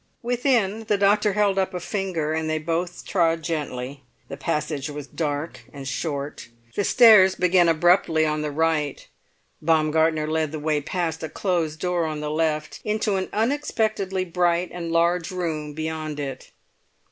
Within the doctor held up a finger and they both trod gently. The passage was dark and short. The stairs began abruptly on the right. Baumgartner led the way past a closed door on the left, into an unexpectedly bright and large room beyond it.